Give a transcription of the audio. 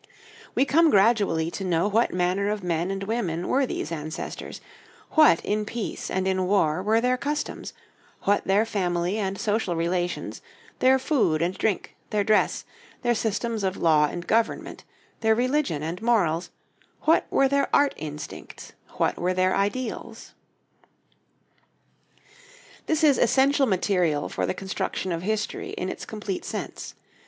We come gradually to know what manner of men and women were these ancestors, what in peace and in war were their customs, what their family and social relations, their food and drink, their dress, their systems of law and government, their religion and morals, what were their art instincts, what were their ideals. This is essential material for the construction of history in its complete sense.